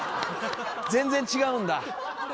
全然違うんだ。